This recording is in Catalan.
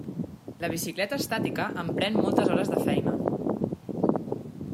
La bicicleta estàtica em pren moltes hores de feina.